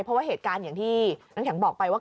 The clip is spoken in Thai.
เพราะว่าเหตุการณ์อย่างที่น้ำแข็งบอกไปว่า